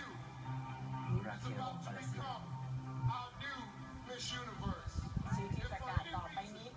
สิ่งที่จะการต่อไปนี้คุณผู้ชมค่ะ